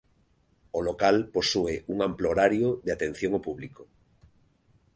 O local posúe un amplo horario de atención ao público.